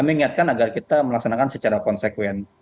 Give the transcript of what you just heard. kita sampaikan agar kita melaksanakan secara konsekuen